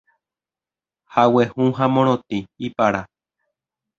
Hague hũ ha morotĩ, ipara.